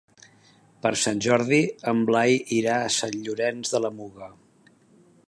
Per Sant Jordi en Blai irà a Sant Llorenç de la Muga.